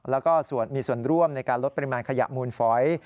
แล้วก็มีส่วนร่วมในการลดปริมาณขยะมูลฝอย